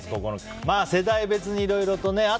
世代別にいろいろとね